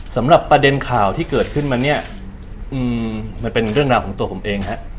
สำหรับประเด็นข่าวที่เกิดขึ้นมาเนี่ยมันเป็นเรื่องราวของตัวผมเองฮะ